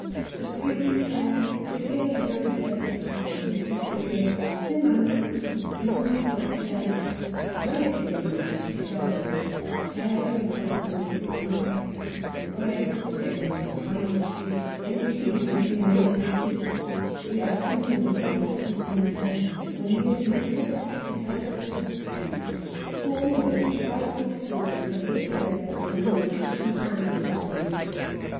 The streaming hair, the gay young face, the lissom figure, slim ankles, long black legs, racing in the frosty garden, tearing across the wintry park ; the riotous games of hide and seek, in which he had been made to assist ; the afternoons by the schoolroom fire when he had been coaxed to tell ghost stories ; all the most frightening stories that he had read in all the 66 Some One who loved Him. Christmas annuals of the year.